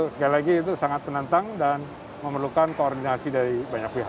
sekali lagi itu sangat menantang dan memerlukan koordinasi dari banyak pihak